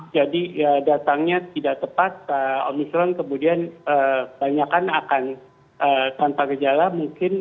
jadi datangnya tidak tepat omnisron kemudian banyak akan tanpa gejala mungkin